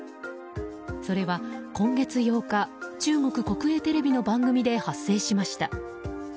それは今月８日中国国営テレビの番組で発生しました。